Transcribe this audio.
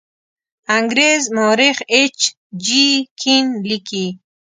انګریز مورخ ایچ جي کین لیکي.